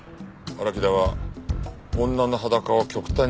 荒木田は女の裸を極端に嫌う性癖だ。